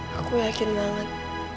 aku yakin banget